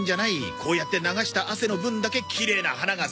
こうやって流した汗の分だけきれいな花が咲くんだぞ。